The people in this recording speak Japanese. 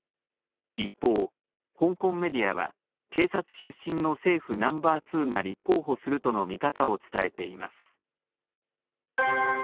一方、香港メディアは、警察出身の政府ナンバー２が立候補するとの見方を伝えています。